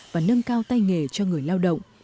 và nâng cao tay nghề cho người lao động